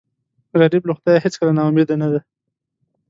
غریب له خدایه هېڅکله نا امیده نه دی